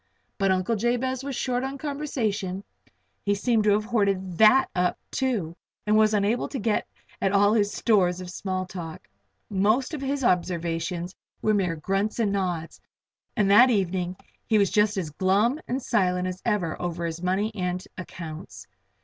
But Uncle Jabez was short on conversation he seemed to have hoarded that up, too, and was unable to get at his stores of small talk. Most of his observations were mere grunts and nods, and that evening he was just as glum and silent as ever over his money and accounts.